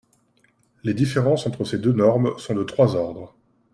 Les différences entre ces deux normes sont de trois ordres.